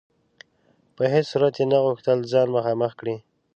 په هیڅ صورت یې نه غوښتل ځان مخامخ کړي.